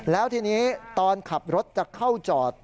แล้วทีนี้ตอนขับรถจะเข้าจอด